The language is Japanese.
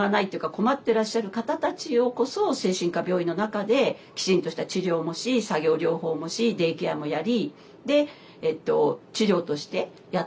困ってらっしゃる方たちこそ精神科病院の中できちんとした治療もし作業療法もしデイケアもやりで治療としてやっていく。